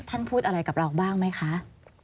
พูดอะไรกับเราบ้างไหมคะ